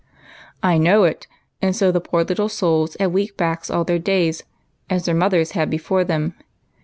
" I know it, and so the poor little souls have weak backs all their days, as their mothers had before them.